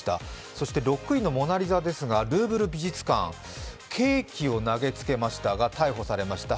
そして６位のモナリザですが、ルーブル美術館、ケーキを投げつけましたが逮捕されました。